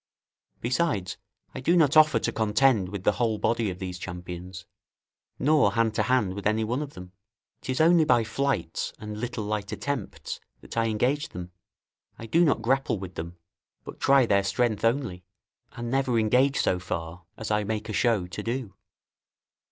Besides, I do not offer to contend with the whole body of these champions, nor hand to hand with anyone of them: 'tis only by flights and little light attempts that I engage them; I do not grapple with them, but try their strength only, and never engage so far as I make a show to do.